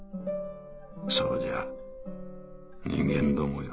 そうじゃ人間どもよ